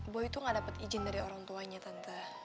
boy itu enggak dapat izin dari orang tuanya tante